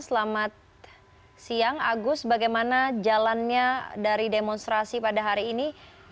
selamat siang agus bagaimana jalannya dari demonstrasi pada hari ini